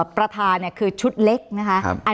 ประธานคือชุดเล็กนะคะ